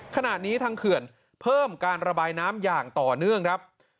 ขณะนี้ทางเขื่อนเพิ่มการระบายน้ำอย่างต่อเนื่องครับ